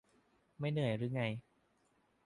ไม่เหนื่อยหรือไง